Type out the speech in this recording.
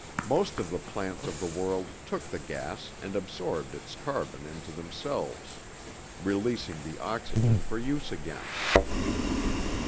Most of the plants of the world took the gas and absorbed its carbon into themselves, releasing the oxygen for use again.